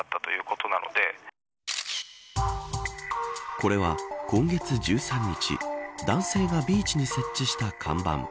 これは、今月１３日男性がビーチに設置した看板。